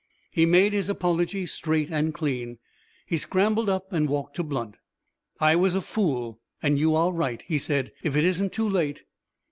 He made his apology straight and clean. He scrambled up and walked to Blunt. "I was a fool, and you are right," he said. "If it isn't too late